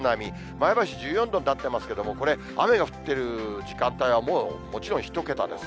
前橋１４度になっていますけれども、これ、雨が降っている時間帯はもう、もちろん１桁です。